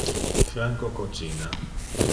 Franco cocina.